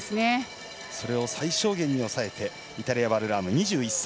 それを最小限に抑えてイタリアのバルラーム、２１歳。